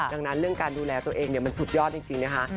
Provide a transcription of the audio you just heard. ดังนั้นเรื่องการดูแลตัวเองมันสุดยอดจริงนะคะ